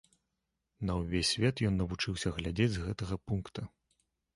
На ўвесь свет ён навучыўся глядзець з гэтага пункта.